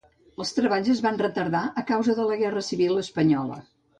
Els treballs es van retardar a causa de la Guerra Civil Espanyola.